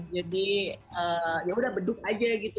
jadi ya udah beduk aja gitu